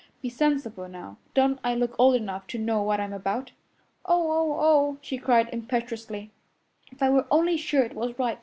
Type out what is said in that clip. Be sensible now. Don't I look old enough to know what I'm about?" "Oh, oh, oh!" she cried impetuously, "if I were only sure it was right!